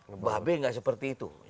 mbak be gak seperti itu